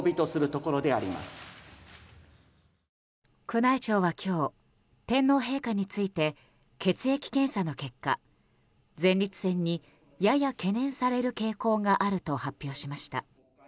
宮内庁は今日天皇陛下について血液検査の結果前立腺にやや懸念される傾向があると発表しました。